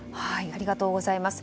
ありがとうございます。